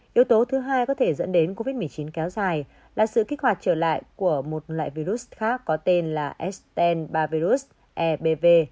điều tố thứ hai có thể dẫn đến covid một mươi chín kéo dài là sự kích hoạt trở lại của một loại virus khác có tên là s một trăm linh ba virus ebv